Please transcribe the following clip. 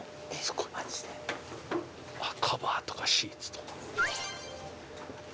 カバーとかシーツとか。